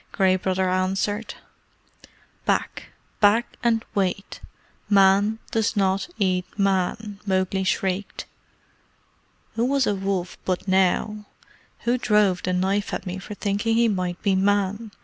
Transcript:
Gray Brother answered. "Back! Back and wait! Man does not eat Man!" Mowgli shrieked. "Who was a wolf but now? Who drove the knife at me for thinking he might be Man?"